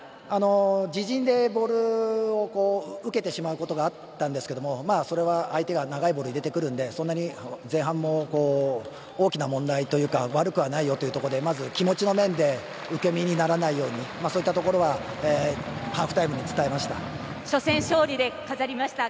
自陣でボールを受けてしまうことがあったんですがそれは相手が長いボールを入れてくるのでそんなに前半も大きな問題というか悪くはないよというところでまず気持ちの面で受け身にならないようにそういったところは初戦、勝利で飾りました。